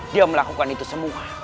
dia melakukan itu semua